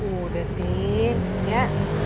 udah tien ya